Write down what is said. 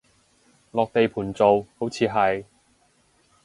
落地盤做，好似係